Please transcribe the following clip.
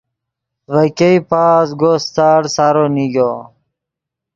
ڤے ګئے پازگو ستاڑ سارو نیگو۔